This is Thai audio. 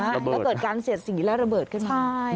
แล้วเกิดการเสียดสีและระเบิดขึ้นมา